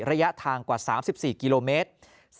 ระยะทางกว่า๓๔กิโลเมตร